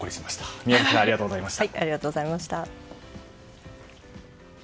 宮崎さんありがとうございました。